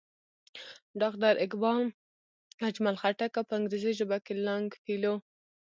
ډاکټر اقبال، اجمل خټک او پۀ انګريزي ژبه کښې لانګ فيلو